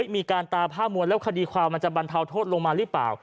มีการตาผ้ามวลแล้วคดีความมันจะบรรเทาโทษลงมาหรือเปล่า